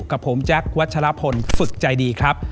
กับผมแจ๊ควัชลพลฝึกใจดีครับ